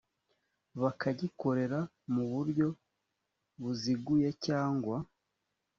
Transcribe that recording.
bakagikorera mu buryo buziguye cyangwa